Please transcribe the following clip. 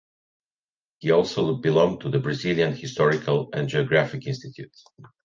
He also belonged to the Brazilian Historical and Geographic Institute.